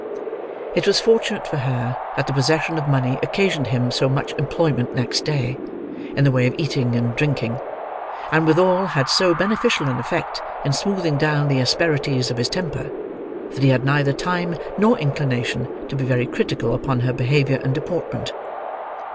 It was fortunate for her that the possession of money occasioned him so much employment next day in the way of eating and drinking; and withal had so beneficial an effect in smoothing down the asperities of his temper; that he had neither time nor inclination to be very critical upon her behaviour and deportment.